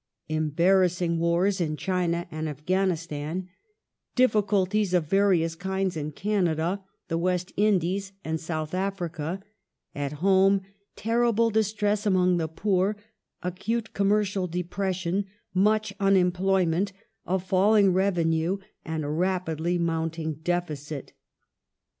Embarrassing wars in China and Afghani stan ; difficulties of various kinds in Canada, the West Indies, and South Africa ; at home, terrible distress among the poor ; acute commercial depression ; much unemployment ; a falling revenue and a rapidly mounting deficit.